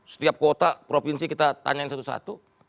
setiap kota provinsi kita tanyain satu satu